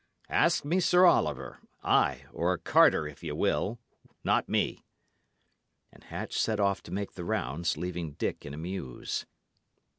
Ask me Sir Oliver ay, or Carter, if ye will; not me." And Hatch set off to make the rounds, leaving Dick in a muse.